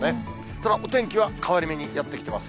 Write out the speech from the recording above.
ただお天気は変わり目にやって来てます。